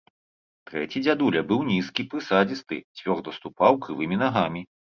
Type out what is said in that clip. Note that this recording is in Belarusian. Трэці дзядуля быў нізкі, прысадзісты, цвёрда ступаў крывымі нагамі.